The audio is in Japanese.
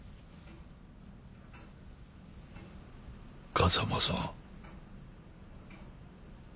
風間さん。